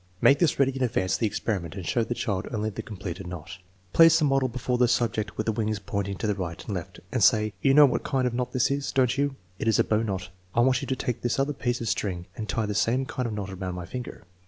Make this ready in advance of the experiment and show the child only the completed knot. TEST NO. Vn, 4 197 Place the model before the subject with the wings pointing to the right and left, and say: "You knmo what kind of knot this is, don't you ? It is a 'bow knot. I want you to take this other Apiece of string and tie the same kind of knot around my finger."